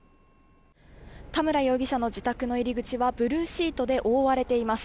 田村容疑者の自宅の入り口はブルーシートで覆われています。